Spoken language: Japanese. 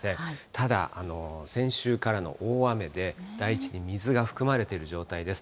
ただ、先週からの大雨で、大地に水が含まれている状態です。